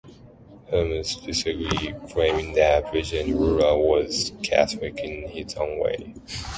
Hummes disagreed, claiming that president Lula was "Catholic in his own way".